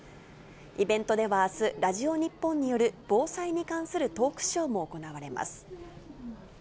イベントではあす、ラジオ日本による防災に関するトークショーも行われます。